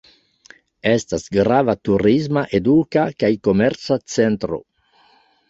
Estas grava turisma, eduka kaj komerca centro.